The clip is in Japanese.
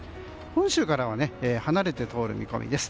本州からは離れて通る見込みです。